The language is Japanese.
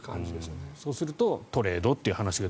そうするとトレードという話が